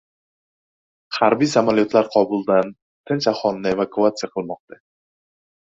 Harbiy samolyotlar Kobuldan tinch aholini evakuasiya qilmoqda